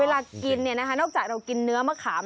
เวลากินนอกจากเรากินเนื้อมะขาม